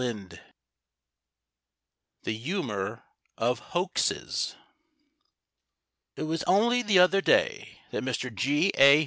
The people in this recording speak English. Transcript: XXIII THE HUMOUR OF HOAXES It was only the other day that Mr G. A.